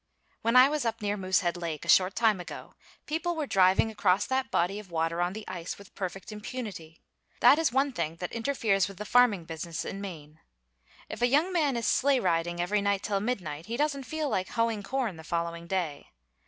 When I was up near Moosehead Lake, a short time ago, people were driving across that body of water on the ice with perfect impunity. That is one thing that interferes with the farming business in Maine. If a young man is sleigh riding every night till midnight, he don't feel like hoeing corn the following day.